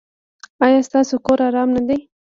ایا ستاسو کور ارام نه دی؟